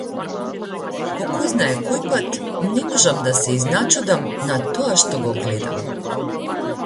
По којзнае кој пат не можам да се изначудам на тоа што го гледам.